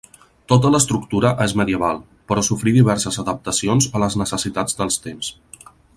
Tota l'estructura és medieval, però sofrí diverses adaptacions a les necessitats dels temps.